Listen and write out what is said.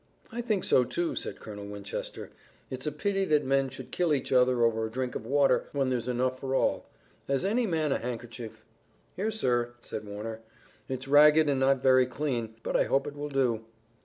"I think so, too," said Colonel Winchester. "It's a pity that men should kill each other over a drink of water when there's enough for all. Has any man a handkerchief?" "Here, sir," said Warner; "it's ragged and not very clean, but I hope it will do."